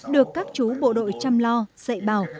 được các chú bộ đội chăm lo dạy bào